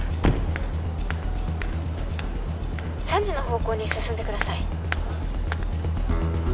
３時の方向に進んでください